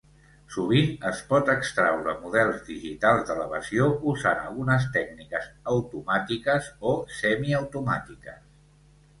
Sovint es pot extraure models digitals d'elevació usant algunes tècniques automàtiques o semiautomàtiques.